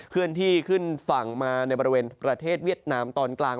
เคลื่อนที่ขึ้นฝั่งมาในบริเวณประเทศเวียดนามตอนกลาง